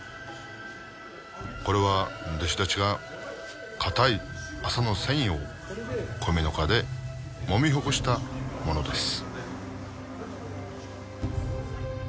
これは弟子たちがかたい麻の繊維を米ぬかでもみほぐしたものです